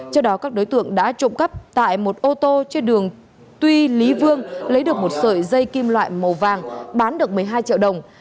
trước đó các đối tượng đã trộm cắp tại một ô tô trên đường tuy lý vương lấy được một sợi dây kim loại màu vàng bán được một mươi hai triệu đồng